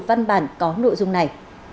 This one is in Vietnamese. văn bản có nội dung này